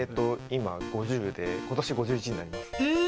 今５０で、今年５１になります。